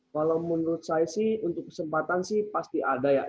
kalau menurut saya sih untuk kesempatan sih pasti ada ya